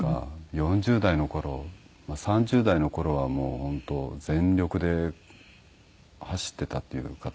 ４０代の頃まあ３０代の頃はもう本当全力で走ってたという形で。